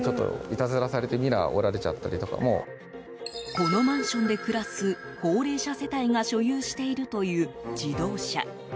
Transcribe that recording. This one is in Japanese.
このマンションで暮らす高齢者世帯が所有しているという自動車。